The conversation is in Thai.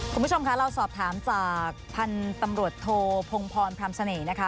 คุณผู้ชมค่ะเราสอบถามจากพันธุ์ตำรวจโทพงพรพรามเสน่ห์นะคะ